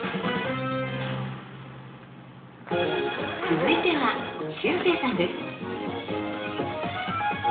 続いてはしゅうせいさんです。